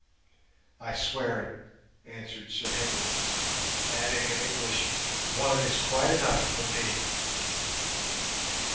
"I swear it," answered Sir Henry; adding in English, "One is quite enough for me."